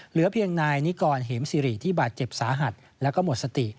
เหลือเพียงนายนิกรเหมสิริที่บาดเจ็บสาหัสแล้วก็หมดสติ